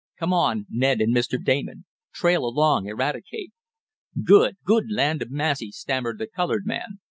"Come on, Ned and Mr. Damon. Trail along, Eradicate." "Good good land ob massy!" stammered the colored man.